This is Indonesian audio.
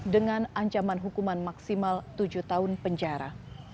dengan ancaman hukuman maksimal tujuh tahun penjara